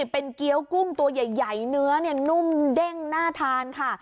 เป็นเกี้ยวกุ้งตัวใหญ่เนื้อนุ่มเด้งน่าทานค่ะ